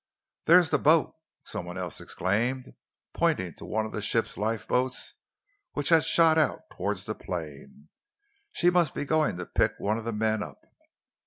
"There's the boat!" some one else exclaimed, pointing to one of the ship's lifeboats which had shot out towards the plane. "She must be going to pick one of the men up!"